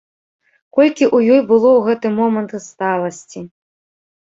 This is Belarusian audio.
Колькі ў ёй было ў гэты момант сталасці!